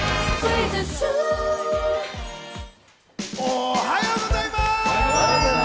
おはようございます！